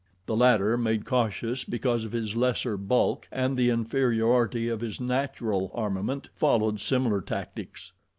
The latter, made cautious because of his lesser bulk and the inferiority of his natural armament, followed similar tactics.